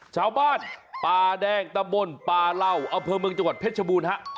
ชาวบ้านป่าแดงตะบนป่าเหล้าอำเภอเมืองจังหวัดเพชรชบูรณฮะ